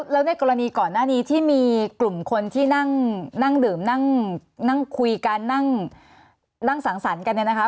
แล้วในกรณีก่อนหน้านี้ที่มีกลุ่มคนที่นั่งดื่มนั่งคุยกันนั่งสังสรรค์กันเนี่ยนะคะ